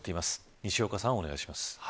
西岡さん、お願いします。